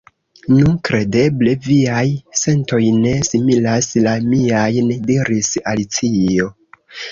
"Nu, kredeble viaj sentoj ne similas la miajn," diris Alicio.